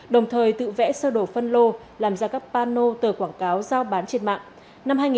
đồng thời tự vẽ sơ đồ phân lô làm ra các pano tờ quảng cáo giao bán trên mạng